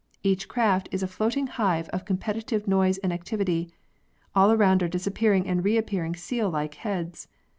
Each craft is a floating hive of competitive noise and activity. All around are disappearing and reappearing seal like heads.